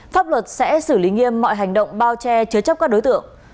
pháp luật sẽ xử lý nghiêm mọi hành động bao che chứa chấp các đối tượng